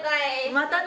またね。